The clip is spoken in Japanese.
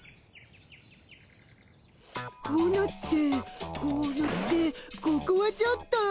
こうなってこうなってここはちょっと。